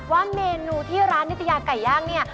ว่าเมนูที่ร้านนิตยาไก่ย่างเนี่ย